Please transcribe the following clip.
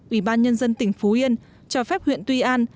ủy ban nhân dân tỉnh phú yên cho phép huyện tuy an